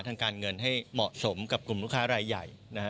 ทางการเงินให้เหมาะสมกับกลุ่มลูกค้ารายใหญ่นะฮะ